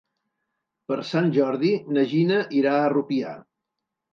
Per Sant Jordi na Gina irà a Rupià.